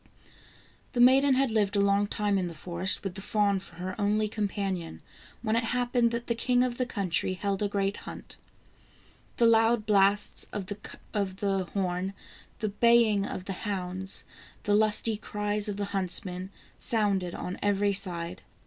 The maiden had lived a long time in the forest with the fawn for her only companion, when it happened that the king of the country held a great hunt. The loud blasts of the horn, the baying of the hounds, the lusty cries of the hunts men, sounded on every side.